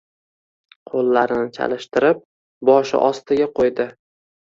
Qo‘llarini chalishtirib, boshi ostiga qo‘ydi.